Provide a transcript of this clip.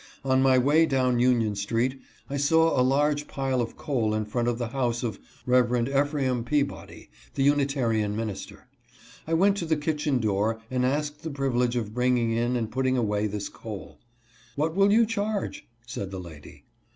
On my way down Union street I saw a large pile of coal in front of the house of Rev. Ephraim Peabody, the Unitarian minister. I went to the kitchen door and asked the privilege of bringing in and putting away this coal. " What will you charge ?" said the lady.